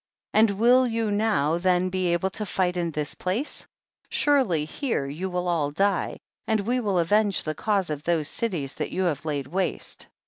26. And will you now then be able to fight in this place ? Surely here you will all die, and we will avenge the cause of those cities that you have laid waste.